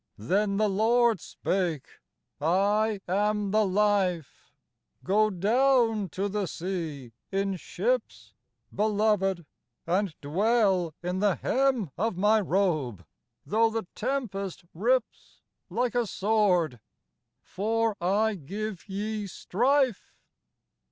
Then the Lord spake, " I am the Life; Go down to the sea in ships Beloved and dwell in the hem Of my robe though the tempest rips Like a sword, for I give ye Strife